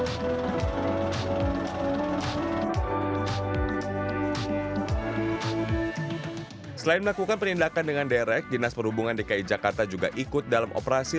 hai selain melakukan perlindakan dengan derek jenaz perhubungan dki jakarta juga ikut dalam operasi